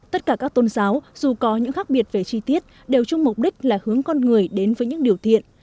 tất cả các tôn giáo dù có những khác biệt về chi tiết đều chung mục đích là hướng con người đến với những điều thiện